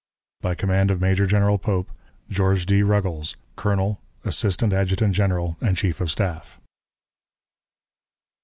... "By command of Major General Pope: "GEORGE D. RUGGLES, "_Colonel, A. A. General, and Chief of Staff.